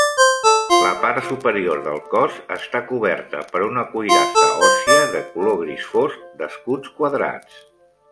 La part superior del cos està coberta per una cuirassa òssia de color gris fosc d'escuts quadrats.